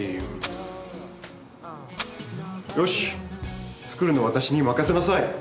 よし作るのは私に任せなさい。